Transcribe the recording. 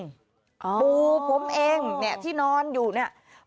อ๋อปูผมเองที่นอนอยู่นี่